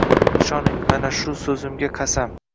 Ishoning mana shu so’zimga qasam: